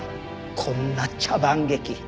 こんな茶番劇。